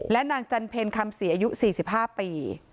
นางจันเพลคำศรีอายุ๔๕ปี